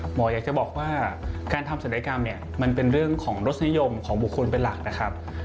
หมออยากจะบอกว่าการทำศัลยกรรมเนี่ยมันเป็นเรื่องของรสนิยมของบุคคลเป็นหลักนะครับ